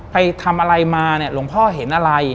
ไปทำอะไรมาเนี่ยหลวงพ่อเห็นอะไร